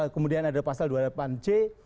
kemudian ada pasal dua puluh delapan c